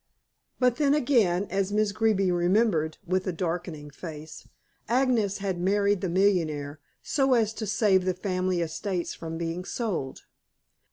But then, again, as Miss Greeby remembered, with a darkening face, Agnes had married the millionaire so as to save the family estates from being sold.